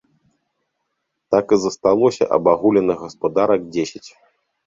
Так і засталося абагуленых гаспадарак дзесяць.